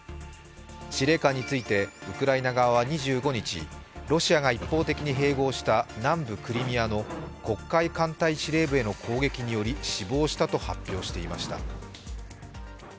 司令官についてウクライナ側は２５日、ロシアが一方的に併合した南部クリミアの黒海艦隊司令部への攻撃により死亡したと発表していました。